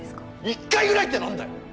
一回ぐらいってなんだよ！